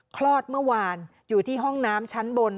คลอดเมื่อวานอยู่ที่ห้องน้ำชั้นบน